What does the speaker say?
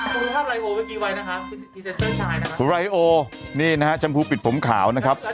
ภารการายโอนี่นะคะชัมพูปิดผมขาวนะครับ